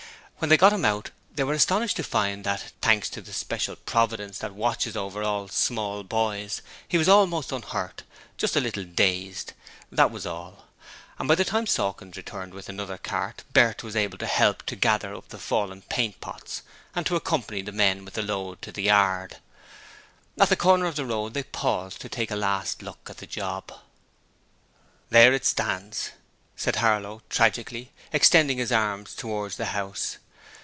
When they got him out they were astonished to find that, thanks to the special Providence that watches over all small boys, he was almost unhurt just a little dazed, that was all; and by the time Sawkins returned with another cart, Bert was able to help to gather up the fallen paint pots and to accompany the men with the load to the yard. At the corner of the road they paused to take a last look at the 'job'. 'There it stands!' said Harlow, tragically, extending his arm towards the house.